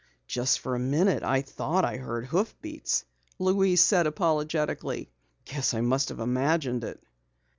"Just for a minute I thought I heard hoofbeats," Louise said apologetically. "Guess I must have imagined it."